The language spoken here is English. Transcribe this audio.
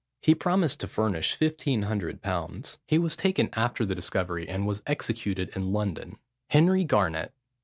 He promised to furnish 1500_l._ He was taken after the discovery and was executed in London. HENRY GARNET.